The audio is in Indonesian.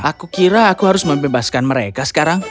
aku kira aku harus membebaskan mereka sekarang